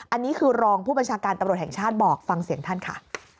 อันนี้คือรองผู้บัญชาการตำรวจแห่งชาติบอกฟังเสียงท่านค่ะ